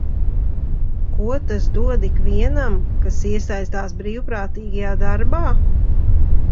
Ko tas dod ikvienam, kas iesaistās brīvprātīgajā darbā?